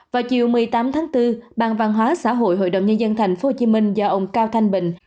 vào chiều một mươi tám tháng bốn ban văn hóa xã hội hội đồng nhân dân thành phố hồ chí minh do ông cao thanh bình